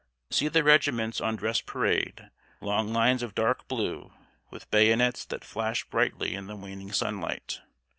See the regiments on dress parade; long lines of dark blue, with bayonets that flash brightly in the waning sunlight.